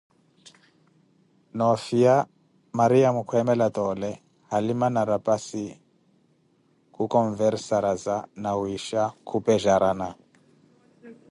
No'fiya Mariamo kwemela tole, halima na raphassi kukhonversaraza nawisha khupejarana